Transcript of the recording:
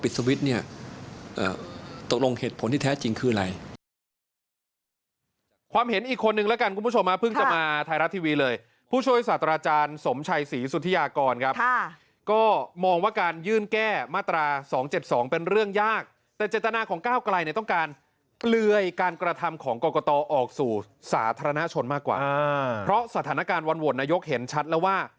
ปิศวิทย์ตกลงเหตุผลที่แท้จริงคืออะไร